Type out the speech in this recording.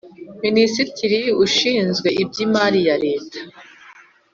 Minisitiri ushinzwe iby’imari ya leta